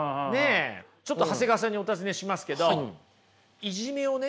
ちょっと長谷川さんにお尋ねしますけどいじめをね